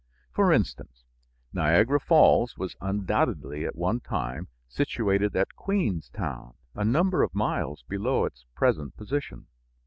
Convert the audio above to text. For instance, Niagara Falls was undoubtedly at one time situated at Queenstown, a number of miles below its present position.